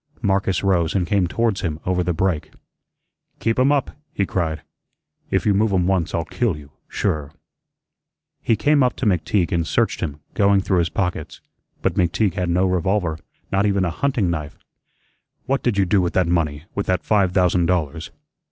Marcus rose and came towards him over the break. "Keep 'em up," he cried. "If you move 'em once I'll kill you, sure." He came up to McTeague and searched him, going through his pockets; but McTeague had no revolver; not even a hunting knife. "What did you do with that money, with that five thousand dollars?"